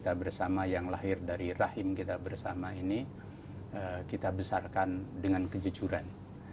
bagi bangsa kita yang lahir dari rahim kita bersama ini kita besarkan dengan kejujuran